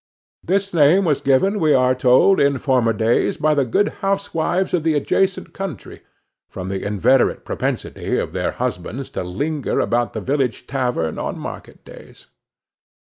This name was given, we are told, in former days, by the good housewives of the adjacent country, from the inveterate propensity of their husbands to linger about the village tavern on market days.